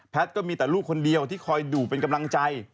ก็มีแต่ลูกคนเดียวที่คอยดูเป็นกำลังใจ